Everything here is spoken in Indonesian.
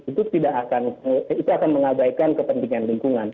itu tidak akan itu akan mengabaikan kepentingan lingkungan